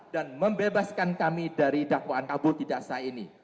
dan membebaskan kami dari dakwaan kabur tidak sah ini